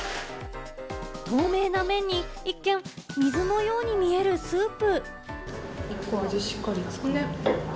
透明な麺にいっけん、水のように見えるスープ。